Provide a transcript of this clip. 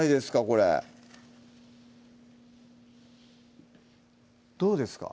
これどうですか？